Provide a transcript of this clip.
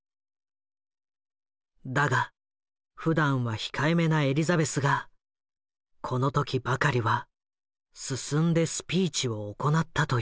だがふだんは控えめなエリザベスがこの時ばかりは進んでスピーチを行ったという。